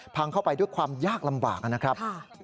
พังเข้าไปด้วยความยากลำบากนะครับ